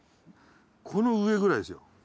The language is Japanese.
この上くらいですよ。